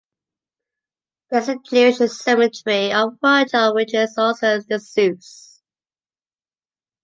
There is the Jewish Cemetery of Funchal which is also disused.